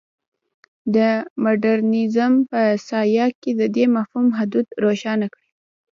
د مډرنیزم په سیاق کې د دې مفهوم حدود روښانه کړي.